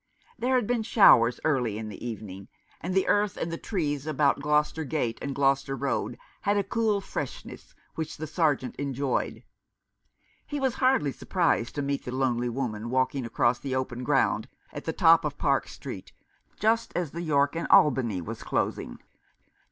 There had been showers early in the evening, and the earth and the trees about Gloucester Gate and Gloucester Road had a cool freshness which the Sergeant enjoyed. He was hardly surprised to meet the lonely woman walking across the open ground at the top of Park Street, just as the York and Albany was closing.